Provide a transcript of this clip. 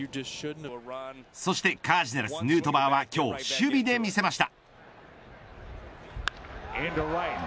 そしてカージナルスヌートバーは今日守備で見せました。